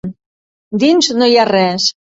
Dins no hi ha res.